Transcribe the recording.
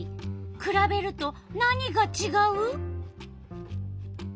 くらべると何がちがう？